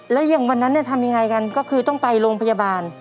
แล้วอย่างวันนั้นทำยังไงกันก็คือต้องไปโรงพยาบาล